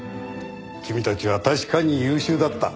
君たちは確かに優秀だった。